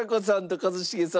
一茂さん。